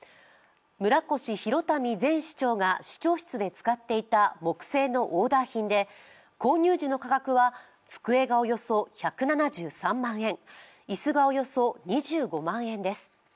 村越祐民前市長が市長室で使っていた木製のオーダー品で、購入時の価格は机がおよそ１７３万円椅子がおよそ２５万円です。